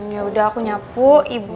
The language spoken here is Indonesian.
yaudah aku nyapu ibu